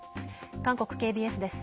韓国ＫＢＳです。